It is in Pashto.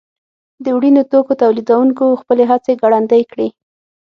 د وړینو توکو تولیدوونکو خپلې هڅې ګړندۍ کړې.